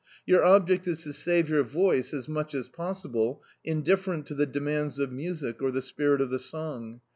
Your object is to save your voice as much as possible, indiffer ent to the demands of music, or the spirit of the song.